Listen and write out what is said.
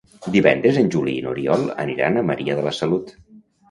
Divendres en Juli i n'Oriol aniran a Maria de la Salut.